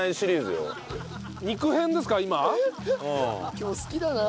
今日好きだなそれ。